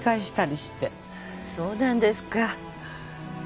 そうなんですか。